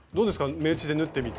目打ちで縫ってみて。